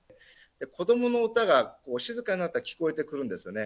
子どもの歌が静かになったら聞こえてくるんですよね。